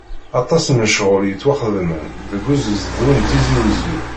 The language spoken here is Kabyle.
Aṭas n lecɣal yettwaxedmen deg ugezdu n Tizi Uzzu.